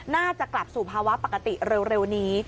น่าจะกลับสู่ภาวะปกติเร็วนี้